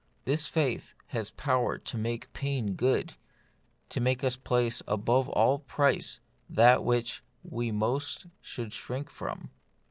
This faith has power to make pain good ; to make us place above all price that which we most should shrink from.